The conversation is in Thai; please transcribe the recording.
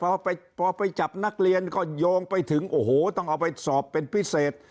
พอไปจับนักเรียนก็โยงไปถึงโอ้โหต้องเอาไปสอบเป็นพิเศษ